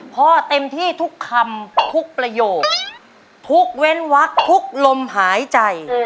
เต็มที่ทุกคำทุกประโยคทุกเว้นวักทุกลมหายใจ